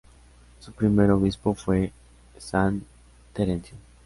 Su primero obispo fue san Terencio.